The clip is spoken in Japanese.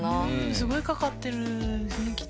すごいかかってるんでしょうねきっと。